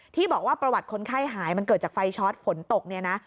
ที่บอกว่าประวัติคนไข้หายมันเกิดจากไฟช็อตฝนตกเนี่ยนะ